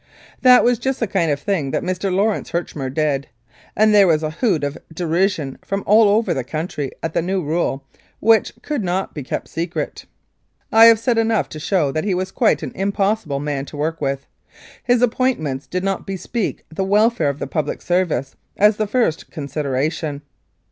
That was just the kind of thing that Mr. Lawrence Herchmer did, and there was a hoot of derision from all over the country at the new rule, which could not be kept secret. I have said enough to show that he was quite an impossible man to work with. His appointments did not bespeak the welfare of the public service as the first consideration.